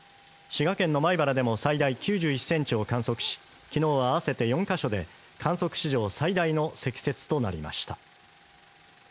滋賀県の米原でも最大９１センチを観測しきのう合わせて４か所で観測史上最大の積雪となりました